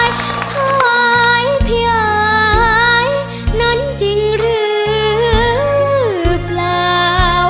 ท้ายเพียยนั้นจริงหรือเปล่า